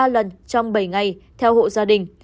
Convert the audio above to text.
ba lần trong bảy ngày theo hộ gia đình